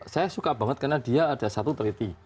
saya suka banget karena dia ada satu teliti